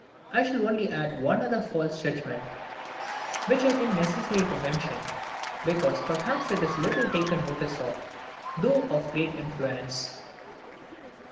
I shall only add one other false judgment, which I think necessary to mention, because perhaps it is little taken notice of, though of great influence.